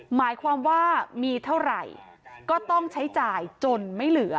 หมายความว่ามีเท่าไหร่ก็ต้องใช้จ่ายจนไม่เหลือ